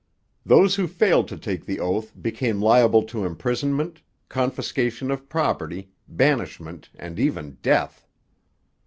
Those who failed to take the oath became liable to imprisonment, confiscation of property, banishment, and even death.